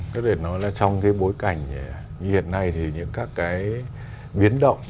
có thể nói là trong cái bối cảnh như hiện nay thì những các cái biến động